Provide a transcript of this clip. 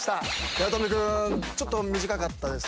八乙女君ちょっと短かったです。